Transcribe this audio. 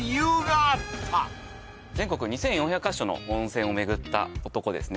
全国２４００か所の温泉を巡った男ですね